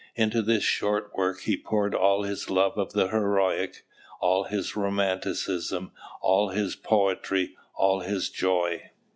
Into this short work he poured all his love of the heroic, all his romanticism, all his poetry, all his joy.